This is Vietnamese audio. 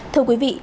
thưa quý vị